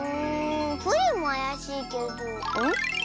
プリンもあやしいけどん？